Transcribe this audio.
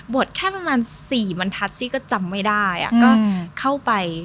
แค่ประมาณ๔บรรทัศน์ซี่ก็จำไม่ได้ก็เข้าไป